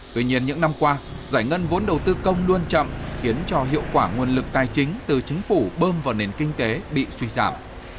tuy nhiên những năm qua giải ngân vốn đầu tư công luôn chậm khiến cho hiệu quả nguồn lực tài chính từ chính phủ bơm vào nền kinh tế bị suy giảm